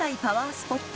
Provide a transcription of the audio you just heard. スポット